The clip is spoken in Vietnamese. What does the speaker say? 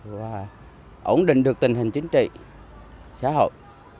và ổn định được tình hình chính trị xã hội